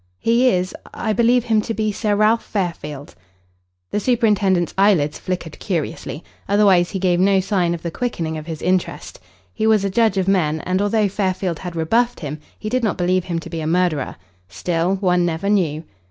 "He is I believe him to be Sir Ralph Fairfield." The superintendent's eyelids flickered curiously; otherwise he gave no sign of the quickening of his interest. He was a judge of men, and although Fairfield had rebuffed him he did not believe him to be a murderer. Still, one never knew.